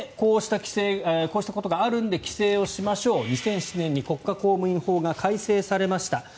こうしたことがあるので規制をしましょう２００７年に国家公務員法が改正されました。